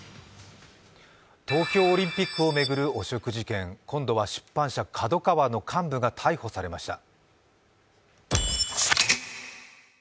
東京オリンピックを巡る汚職事件、今度は出版社ＫＡＤＯＫＡＷＡの幹部が逮捕されました。